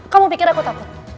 kamu pikir aku taput